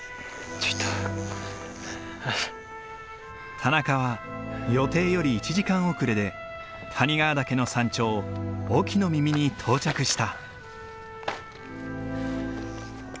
田中は予定より１時間遅れで谷川岳の山頂オキノ耳に到着した。